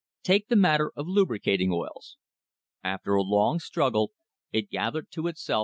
Take the matter of lubricating oils. After a long struggle it gathered to itself W.